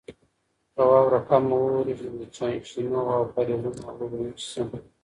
که واوره کمه وورېږي نو د چینو او کاریزونو اوبه به وچې شي.